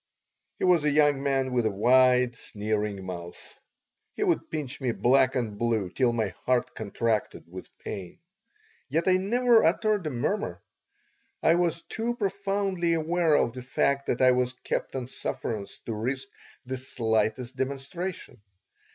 He was a young man with a wide, sneering mouth He would pinch me black and blue till my heart contracted with pain. Yet I never uttered a murmur. I was too profoundly aware of the fact that I was kept on sufferance to risk the slightest demonstration.